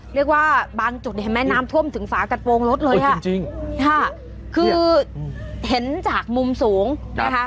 เรียกว่าบางจุดน้ำท่วมถึงฝากัดโปรงรถเลยค่ะคือเห็นจากมุมสูงนะคะ